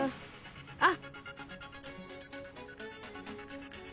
あっ！